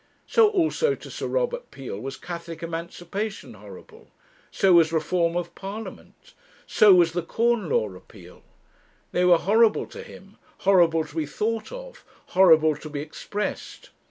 So also to Sir Robert Peel was Catholic Emancipation horrible, so was Reform of Parliament, so was the Corn Law Repeal. They were horrible to him, horrible to be thought of, horrible to be expressed.